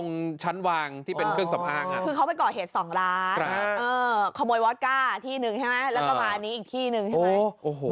ขโมยวอตก้าที่หนึ่งใช่ไหมแล้วก็มาอีกที่หนึ่งใช่ไหม